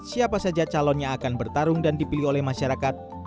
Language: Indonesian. siapa saja calon yang akan bertarung dan dipilih oleh masyarakat